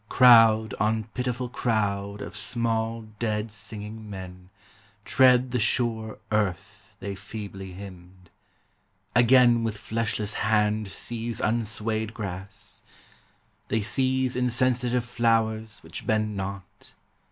Crowd On pitiful crowd of small dead singing men Tread the sure earth they feebly hymned ; again With fleshless hand seize unswayed grass. They seize Insensitive flowers which bend not.